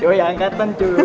yoi angkatan cuy